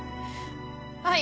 はい。